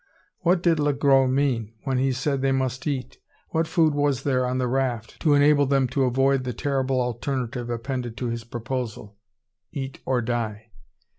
What did Le Gros mean when he said they must eat? What food was there on the raft, to enable them to avoid the terrible alternative appended to his proposal, "eat, or die"!